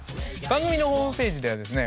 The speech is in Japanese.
番組のホームページではですね